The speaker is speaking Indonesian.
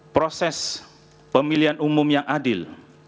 proses pemilihan umum yang adil